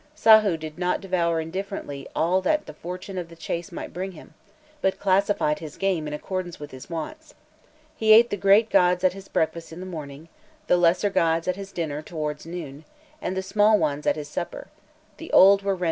Sahû did not devour indifferently all that the fortune of the chase might bring him, but classified his game in accordance with his wants. He ate the great gods at his breakfast in the morning, the lesser gods at his dinner towards noon, and the small ones at his supper; the old were rendered more tender by roasting.